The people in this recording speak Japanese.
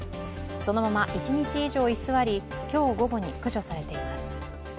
そのまま１日以上居座り、今日午後に駆除されています。